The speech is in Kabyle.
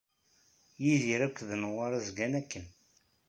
Yidir akked Newwara zgan akken.